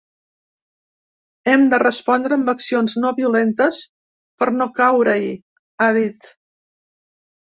Hem de respondre amb accions no violentes per no caure-hi, ha dit.